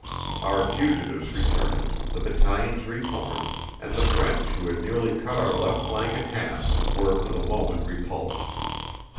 Our fugitives returned, the battalions re formed, and the French who had nearly cut our left flank in half were for the moment repulsed.